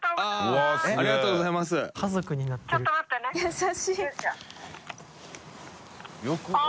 優しい。